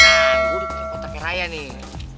gue udah pilih kotaknya raya nih